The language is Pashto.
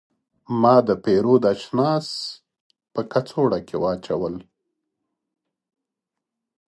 ما د پیرود اجناس په کڅوړه کې واچول.